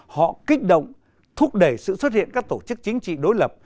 họ kích động thúc đẩy sự xuất hiện các tổ chức chính trị đối lập